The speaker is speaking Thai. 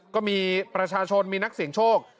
ก็มีประชาชนมีนักเสี่ยงโชค